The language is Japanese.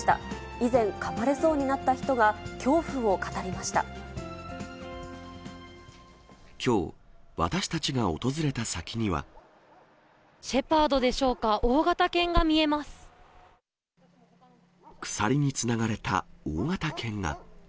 以前、かまれそうになった人が恐きょう、私たちが訪れた先にシェパードでしょうか、鎖につながれた大型犬が。